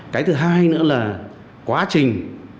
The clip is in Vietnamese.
cái thứ hai nữa là quá trình